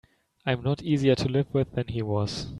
I'm not easier to live with than he was.